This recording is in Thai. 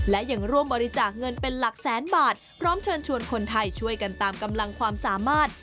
และยังร่วมบริจาคเงินเป็นหลักแสนบาทพร้อมเชิญชวนคนไทยช่วยกันตามกำลังความสามารถ